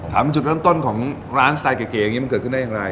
ถามจุดต้นของร้านสไตค์เก๋อย่างนี้เห็นไง